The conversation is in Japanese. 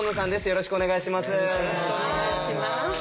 よろしくお願いします。